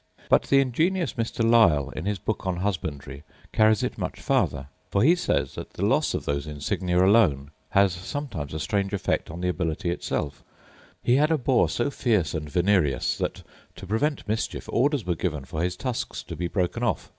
But the ingenious Mr. Lisle, in his book on husbandry, carries it much farther; for he says that the loss of those insignia alone has sometimes a strange effect on the ability itself: he had a boar so fierce and venereous, that, to prevent mischief, orders were given for his tusks to be broken off.